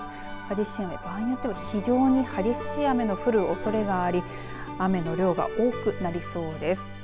激しい雨場合によっては非常に激しい雨の降るおそれがあり雨の量が多くなりそうです。